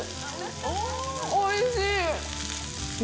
おいしい！